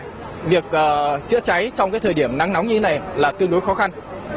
tuy nhiên thì việc khống chế đám cháy trong thời điểm nắng nóng như thế này là tương đối khó khăn